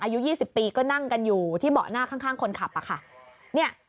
อายุ๒๐ปีก็นั่งกันอยู่ที่เบาะหน้าข้างคนขับอะค่ะ